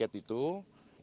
penjualan tiket itu